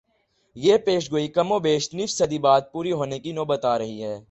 یہ پیشگوئی کم و بیش نصف صدی بعد پوری ہونے کی نوبت آ رہی ہے۔